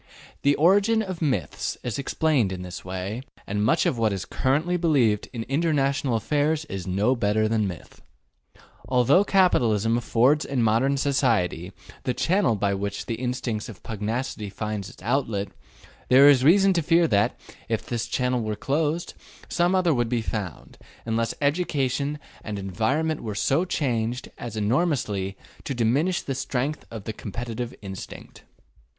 The origin of myths is explained in this way, and much of what is currently believed in international affairs is no better than myth. Although capitalism affords in modern society the channel by which the instinct of pugnacity finds its outlet, there is reason to fear that, if this channel were closed, some other would be found, unless education and environment were so changed as enormously to diminish the strength of the competitive instinct.